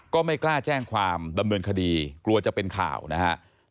ก็ไม่กล้าแจ้งความดำเนินคดีกลัวจะเป็นข่าวนะครับ